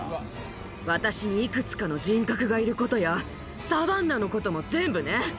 私にいくつかの人格がいることや、サバンナのことも全部ね。